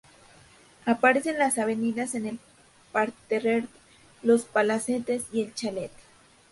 Aparecen las avenidas, el parterre, los palacetes y el chalet.